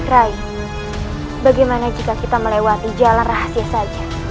bagaimana jika kita melewati jalan rahasia saja